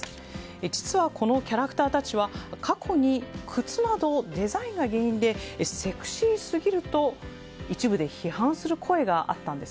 実は、このキャラクターたちは過去に靴など、デザインが原因でセクシーすぎると一部で批判する声があったんです。